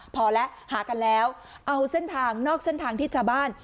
พอแล้วหากันแล้วเอาเส้นทางนอกเส้นทางที่ชาวบ้าน